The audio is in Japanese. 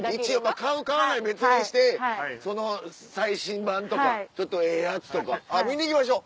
買う買わない別にしてその最新版とかちょっとええやつとか見に行きましょう。